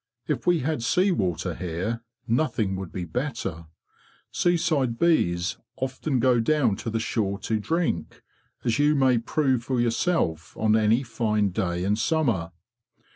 If we had sea water here, nothing would be better; seaside bees often go down to the shore to drink, as you may prove for yourself on any fine day in summer.